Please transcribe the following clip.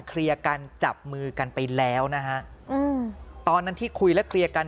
เคลียร์กันจับมือกันไปแล้วนะฮะอืมตอนนั้นที่คุยและเคลียร์กัน